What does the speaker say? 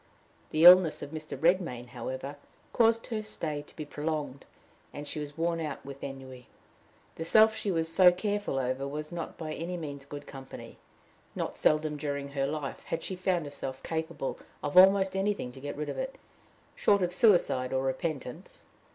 The illness of Mr. Redmain, however, caused her stay to be prolonged, and she was worn out with ennui. The self she was so careful over was not by any means good company: not seldom during her life had she found herself capable of almost anything to get rid of it, short of suicide or repentance.